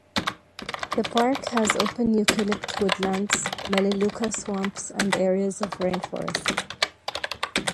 The park has open eucalypt woodlands, melaleuca swamps and areas of rainforest.